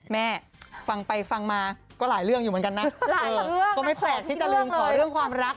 แม่ฟังไปฟังมาก็หลายเรื่องอยู่เหมือนกันนะก็ไม่แปลกที่จะลืมขอเรื่องความรัก